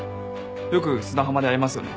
よく砂浜で会いますよね。